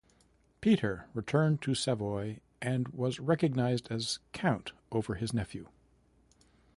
Peter returned to Savoy and was recognised as count over his nephew.